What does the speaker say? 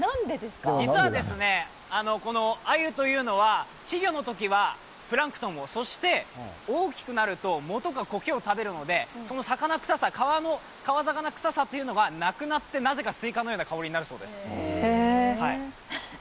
実はこのアユというのは稚魚のときはプランクトンを、そして大きくなるとこけを食べるのでその魚臭さ、川魚臭さがなくなってなぜかスイカのような香りになるそうです。